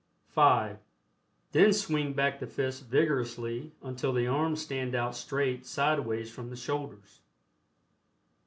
(5) Then swing back the fists vigorously until the arms stand out straight sideways from the shoulders.